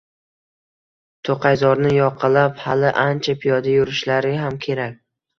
To`qayzorni yoqalab hali ancha piyoda yurishlari ham kerak